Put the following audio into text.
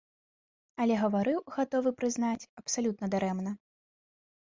Але гаварыў, гатовы прызнаць, абсалютна дарэмна.